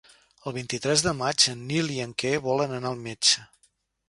El vint-i-tres de maig en Nil i en Quer volen anar al metge.